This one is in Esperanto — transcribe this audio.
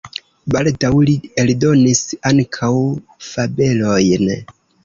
Baldaŭ li eldonis ankaŭ fabelojn.